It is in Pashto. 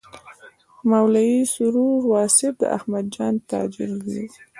مولوي سرور واصف د احمدجان تاجر زوی و.